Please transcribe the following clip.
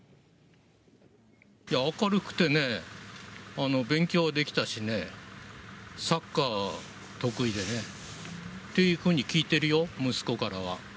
明るくてね、勉強できたしね、サッカー得意でねっていうふうに聞いてるよ、息子からは。